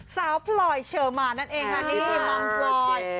สาวพลอยเฉอหมานั่นเองค่ะนี่มอมพลอย